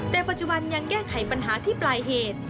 แต่ปัจจุบันยังแก้ไขปัญหาที่ปลายเหตุ